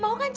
mau kan ica